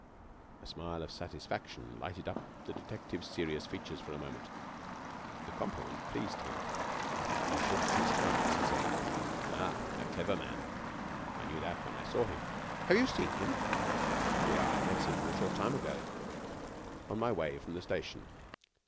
A smile of satisfaction lighted up the detective's serious features for a moment. The compliment pleased him. He shook his head, as he said: "A clever man! I knew that when I saw him." "Have you seen him?" "I met him a short time ago on my way from the station."